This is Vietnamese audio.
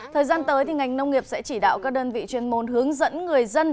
thời gian tới ngành nông nghiệp sẽ chỉ đạo các đơn vị chuyên môn hướng dẫn người dân